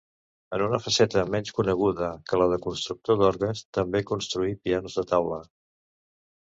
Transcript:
En una faceta menys coneguda que la de constructor d'orgues, també construí pianos de taula.